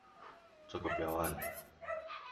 這個標案